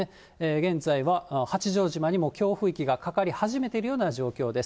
現在は八丈島にも強風域がかかり始めているような状況です。